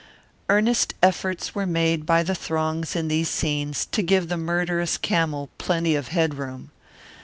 Earnest efforts were made by the throngs in these scenes to give the murderous camel plenty of head room.